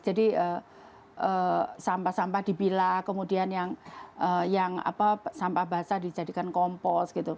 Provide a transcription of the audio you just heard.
jadi sampah sampah di bila kemudian yang sampah basah dijadikan kompos gitu